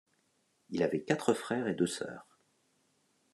Il avait quatre frères et deux sœurs.